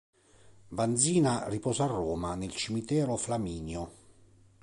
Vanzina riposa a Roma nel Cimitero Flaminio.